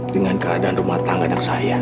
dengan keadaan rumah tangga anak saya